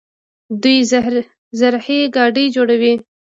دوی زرهي ګاډي جوړوي.